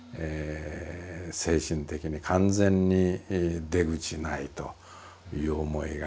精神的に完全に出口ないという思いが。